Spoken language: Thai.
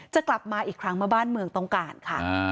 จะกลับมาอีกครั้งเมื่อบ้านเมืองต้องการค่ะ